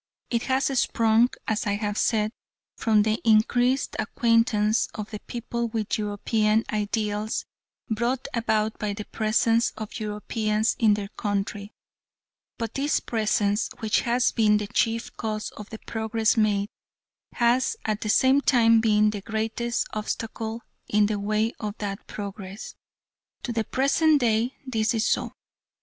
It has sprung, as I have said, from the increased acquaintance of the people with European ideals brought about by the presence of Europeans in their country, but this presence, which has been the chief cause of the progress made, has at the same time been the greatest obstacle in the way of that progress. To the present day this is so.